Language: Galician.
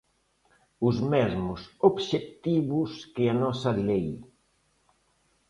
Os mesmos obxectivos que a nosa lei.